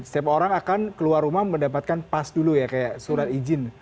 setiap orang akan keluar rumah mendapatkan pas dulu ya kayak surat izin